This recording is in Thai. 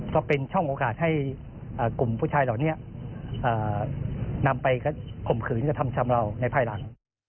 ก็เป็นช่องโอกาสให้กลุ่มผู้ชายเหล่านี้นำไปข่มขืนกระทำชำเหล่าในภายหลัง